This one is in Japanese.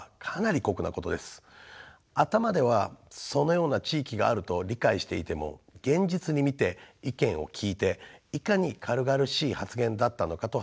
頭ではそのような地域があると理解していても現実に見て意見を聞いていかに軽々しい発言だったのかと反省もしました。